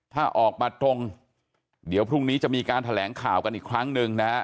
ถ้าออกมาตรงเดี๋ยวพรุ่งนี้จะมีการแถลงข่าวกันอีกครั้งหนึ่งนะฮะ